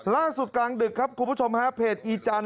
ล่างสุดกลางดึกครับคุณผู้ชมภาพเพจอีจัน